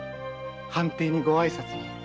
藩邸にご挨拶に。